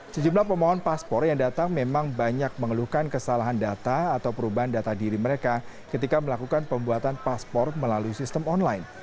sejumlah pemohon paspor yang datang memang banyak mengeluhkan kesalahan data atau perubahan data diri mereka ketika melakukan pembuatan paspor melalui sistem online